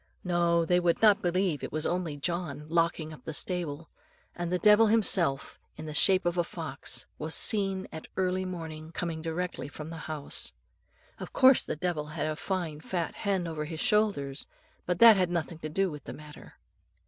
No, they would not believe it was only John locking up the stable; and the devil himself, in the shape of a fox, was seen at early morning coming directly from the house. Of course the devil had a fine fat hen over his shoulders, but that had nothing to do with the matter.